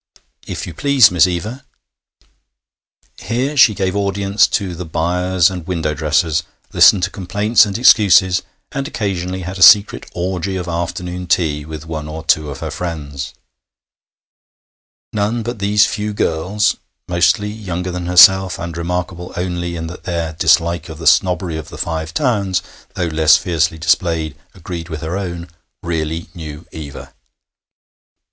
'If you please, Miss Eva '. Here she gave audience to the 'buyers' and window dressers, listened to complaints and excuses, and occasionally had a secret orgy of afternoon tea with one or two of her friends. None but these few girls mostly younger than herself, and remarkable only in that their dislike of the snobbery of the Five Towns, though less fiercely displayed, agreed with her own really knew Eva.